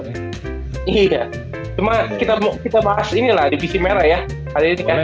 iya cuma kita bahas ini lah divisi merah ya kali ini kan